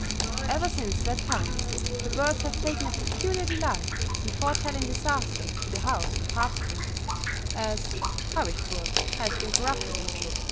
Ever since that time, the birds have taken a peculiar delight in foretelling disaster to the house of Habsburg (as Habicht burg has been corrupted into).